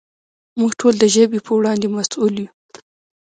موږ ټول د ژبې په وړاندې مسؤل یو.